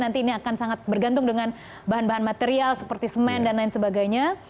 nanti ini akan sangat bergantung dengan bahan bahan material seperti semen dan lain sebagainya